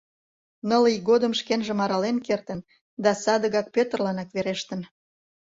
Ныл ий годым шкенжым арален кертын да садыгак Пӧтырланак верештын...